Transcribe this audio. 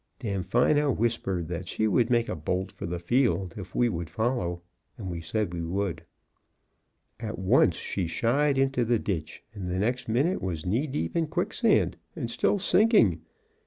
Damfino whispered that she would make a bolt for the field, if we would follow; and we said we would. At once she shied into the ditch, and the next minute was knee deep in quicksand, and still sinking.